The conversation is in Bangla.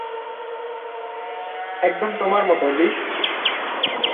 একদম তোমার মতো, লিহ।